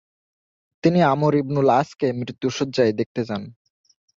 তিনি Amr ibnul As কে মৃত্যু শয্যায় দেখতে যান।